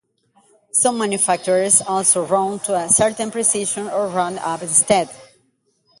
Some manufacturers also round to a certain precision or round up instead.